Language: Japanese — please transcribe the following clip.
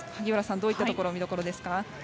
どういったところ見どころですか。